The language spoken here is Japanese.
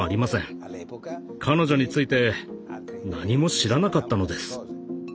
彼女について何も知らなかったのです。